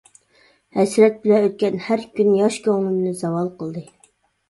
ھەسرەت بىلەن ئۆتكەن ھەر كۈن ياش كۆڭلۈمنى زاۋال قىلدى.